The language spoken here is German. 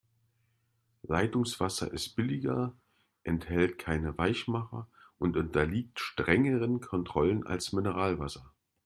Leitungswasser ist billiger, enthält keinen Weichmacher und unterliegt strengeren Kontrollen als Mineralwasser.